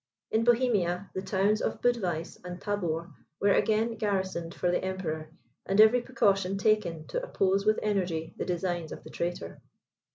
In Bohemia, the towns of Budweiss and Tabor were again garrisoned for the Emperor, and every precaution taken to oppose with energy the designs of the traitor.